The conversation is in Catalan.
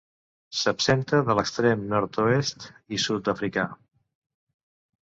S'absenta de l'extrem nord-oest i sud d'Àfrica.